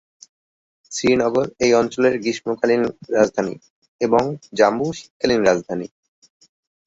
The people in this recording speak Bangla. শ্রীনগর এই অঞ্চলের গ্রীষ্মকালীন রাজধানী এবং জম্মু শীতকালীন রাজধানী।